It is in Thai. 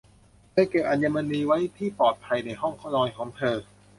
เธอเก็บอัญมณีไว้ที่ปลอดภัยในห้องนอนของเธอ